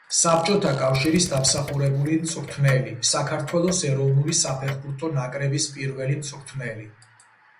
საბჭოთა კავშირის დამსახურებული მწვრთნელი, საქართველოს ეროვნული საფეხბურთო ნაკრების პირველი მწვრთნელი.